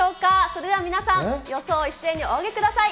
それでは皆さん、予想を一斉にお上げください。